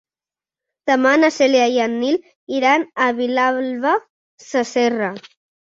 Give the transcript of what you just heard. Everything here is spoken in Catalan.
Demà na Cèlia i en Nil iran a Vilalba Sasserra.